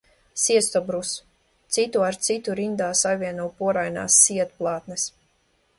Sietstobrus citu ar citu rindā savieno porainas sietplātnes.